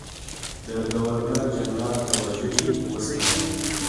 د ګورنرجنرال توجه یې وستایل.